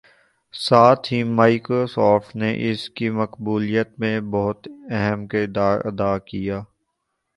ساتھ ہی مائیکروسوفٹ نے اس کی مقبولیت میں بہت اہم کردار ادا کیا